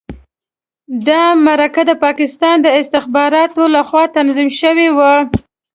دا مرکه د پاکستان د استخباراتو لخوا تنظیم شوې وه.